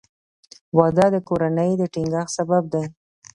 • واده د کورنۍ د ټینګښت سبب دی.